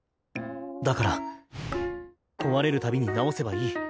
だから壊れる度に直せばいい。